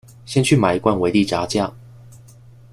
先去買一罐維力炸醬